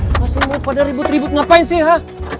masih mau pada ribut ribut ngapain sih ha